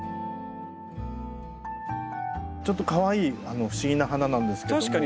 ちょっとかわいい不思議な花なんですけども。